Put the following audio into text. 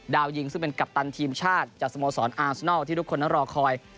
ยิงซึ่งเป็นกัปตันทีมชาติจากสโมสรอาร์สนอลที่ทุกคนนั้นรอคอย